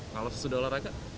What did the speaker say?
kalau sesudah olahraga